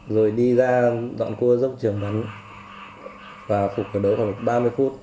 rồi đi ra dọn cua dốc trường bắn và phục ở đó khoảng ba mươi phút